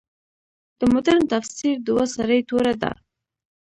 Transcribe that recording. د مډرن تفسیر دوه سرې توره ده.